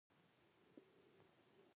کاناډا د بیړیو چلولو لارې لري.